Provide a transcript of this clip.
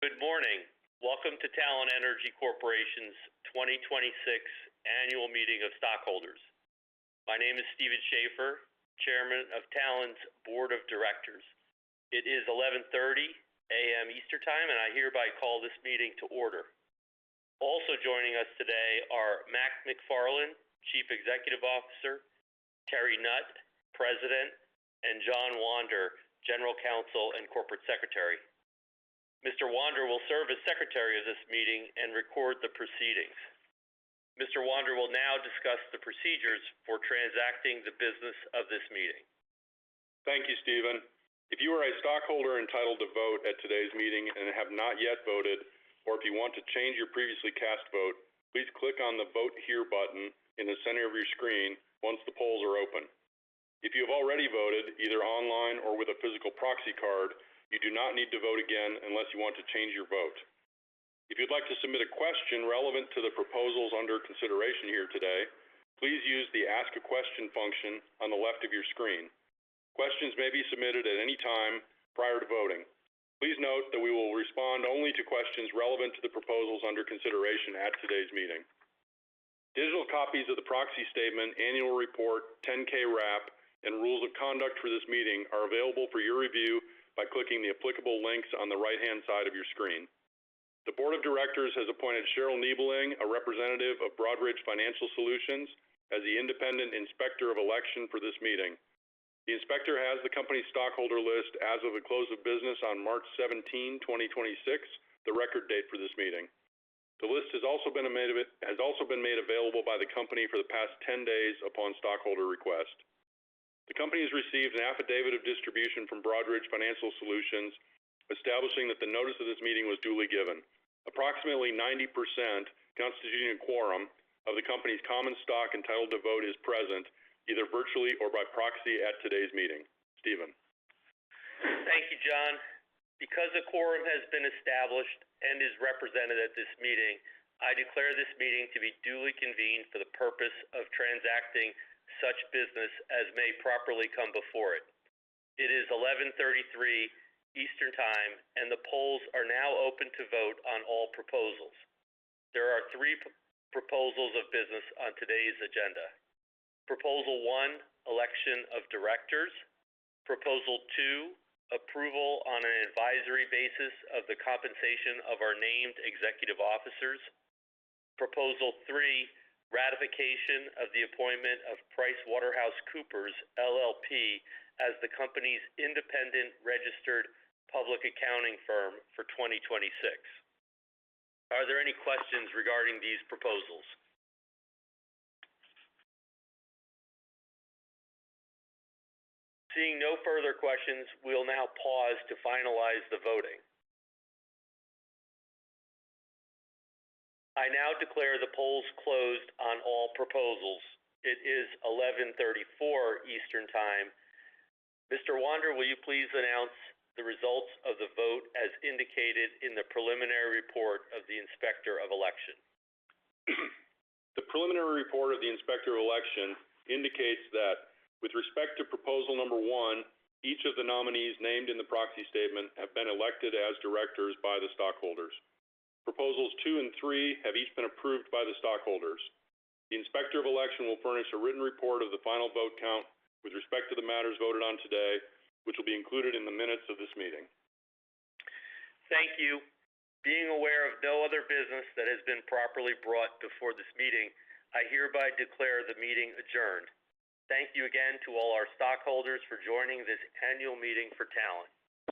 Good morning. Welcome to Talen Energy Corporation's 2026 Annual Meeting of Stockholders. My name is Stephen Schaefer, Chairman of Talen's Board of Directors. It is 11:30 A.M. Eastern Time, and I hereby call this meeting to order. Also joining us today are Mac McFarland, Chief Executive Officer, Terry Nutt, President, and John Wander, General Counsel and Corporate Secretary. Mr. Wander will serve as secretary of this meeting and record the proceedings. Mr. Wander will now discuss the procedures for transacting the business of this meeting. Thank you, Stephen. If you are a stockholder entitled to vote at today's meeting and have not yet voted, or if you want to change your previously cast vote, please click on the Vote Here button in the center of your screen once the polls are open. If you have already voted, either online or with a physical proxy card, you do not need to vote again unless you want to change your vote. If you'd like to submit a question relevant to the proposals under consideration here today, please use the Ask a Question function on the left of your screen. Questions may be submitted at any time prior to voting. Please note that we will respond only to questions relevant to the proposals under consideration at today's meeting. Digital copies of the proxy statement, annual report, 10-K wrap, and rules of conduct for this meeting are available for your review by clicking the applicable links on the right-hand side of your screen. The board of directors has appointed Cheryl Niebeling, a representative of Broadridge Financial Solutions, as the independent inspector of election for this meeting. The inspector has the company stockholder list as of the close of business on March 17, 2026, the record date for this meeting. The list has also been made available by the company for the past 10 days upon stockholder request. The company has received an affidavit of distribution from Broadridge Financial Solutions, establishing that the notice of this meeting was duly given. Approximately 90%, constituting a quorum, of the company's common stock entitled to vote is present, either virtually or by proxy at today's meeting. Stephen. Thank you, John. Because a quorum has been established and is represented at this meeting, I declare this meeting to be duly convened for the purpose of transacting such business as may properly come before it. It is 11:33 A.M. Eastern Time, and the polls are now open to vote on all proposals. There are three proposals of business on today's agenda. Proposal one: election of directors. Proposal two: approval on an advisory basis of the compensation of our named executive officers. Proposal three: ratification of the appointment of PricewaterhouseCoopers, LLP as the company's independent registered public accounting firm for 2026. Are there any questions regarding these proposals? Seeing no further questions, we'll now pause to finalize the voting. I now declare the polls closed on all proposals. It is 11:34 A.M. Eastern Time. Mr. Wander, will you please announce the results of the vote as indicated in the preliminary report of the inspector of election? The preliminary report of the inspector of election indicates that with respect to proposal number one, each of the nominees named in the proxy statement have been elected as directors by the stockholders. Proposals two and three have each been approved by the stockholders. The inspector of election will furnish a written report of the final vote count with respect to the matters voted on today, which will be included in the minutes of this meeting. Thank you. Being aware of no other business that has been properly brought before this meeting, I hereby declare the meeting adjourned. Thank you again to all our stockholders for joining this annual meeting for Talen.